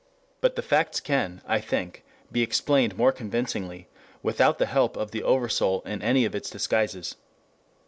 2 But the facts can, I think, be explained more convincingly without the help of the oversoul in any of its disguises.